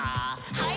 はい。